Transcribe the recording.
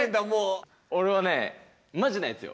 俺はねマジなやつよ。